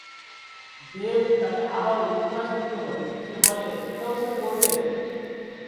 দেব তাকে আবার উপন্যাস লিখতে বলে, সে বলে সেটাও সে পড়বে।